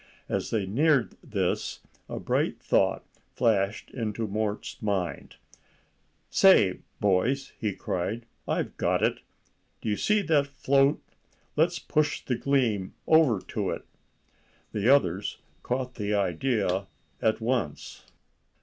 As they neared this a bright thought flashed into Mort's mind. "Say, boys," he cried, "I've got it! Do you see that float? Let's push the Gleam over to it." The others caught the idea at once.